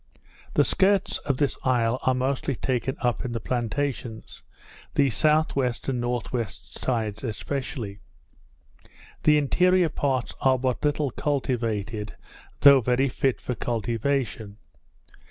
The skirts of this isle are mostly taken up in the plantations; the S.W. and N.W. sides especially. The interior parts are but little cultivated, though very fit for cultivation.